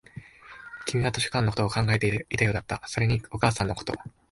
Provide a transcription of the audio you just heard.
君は図書館のことを考えていたようだった、それにお母さんのこと